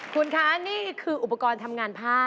คุณคะนี่คืออุปกรณ์ทำงานผ้า